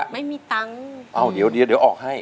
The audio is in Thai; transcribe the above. ไม่มีตังค์อ้าวเดี๋ยวเดี๋ยวออกให้